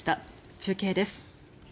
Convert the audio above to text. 中継です。